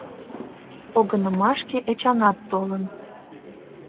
Погынымашке Эчанат толын.